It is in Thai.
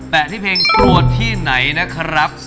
ที่เพลงกลัวที่ไหนนะครับ